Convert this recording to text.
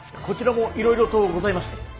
こちらもいろいろとございまして。